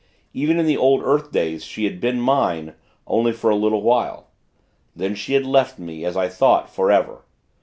Even in the old earth days, she had been mine, only for a little while; then she had left me, as I thought, forever.